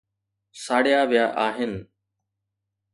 ساڙيا ويا آهن